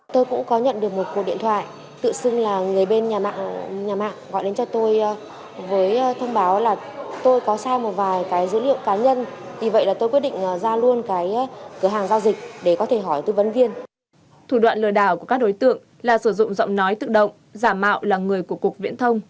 thủ đoạn lừa đảo của các đối tượng là sử dụng giọng nói tự động giả mạo là người của cục viễn thông